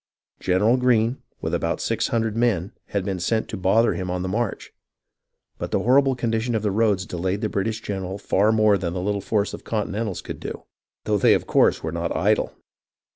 General Greene, with about six hundred men, had been sent to bother him on the march ; but the horrible condition of the roads delayed the British general far more than the little force of Continentals could do, though they of course were not idle.